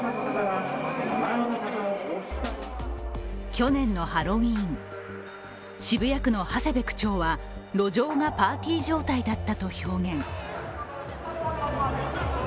去年のハロウィーン、渋谷区の長谷部区長は路上がパーティー状態だったと表現。